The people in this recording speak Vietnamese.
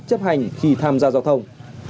chấp hành khi tham gia giao thông